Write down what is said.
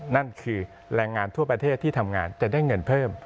นั่นคือแรงงานทั่วประเทศที่ทำงานจะได้เงินเพิ่ม